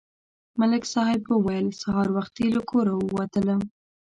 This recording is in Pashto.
ملک صاحب وویل: سهار وختي له کوره ووتلم